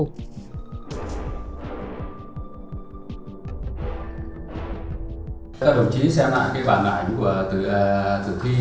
các đồng chí xem lại cái bản ảnh của thử thi